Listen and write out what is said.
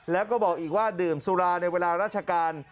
แล้วก็บอกอีกว่าดื่มสุราในเวลาราชการ